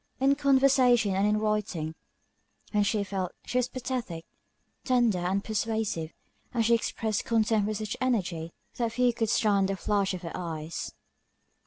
In conversation, and in writing, when she felt, she was pathetic, tender and persuasive; and she expressed contempt with such energy, that few could stand the flash of her eyes.